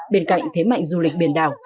bên cạnh thế mạnh du lịch biển đảo